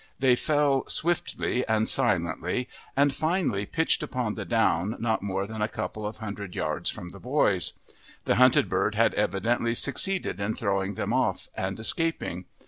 They fell swiftly and silently, and finally pitched upon the down not more than a couple of hundred yards from the boys. The hunted bird had evidently succeeded in throwing them off and escaping.